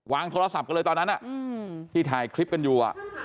โทรศัพท์กันเลยตอนนั้นที่ถ่ายคลิปกันอยู่